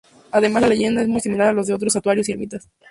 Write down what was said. Además, la leyenda es muy similar a la de otros santuarios y ermitas.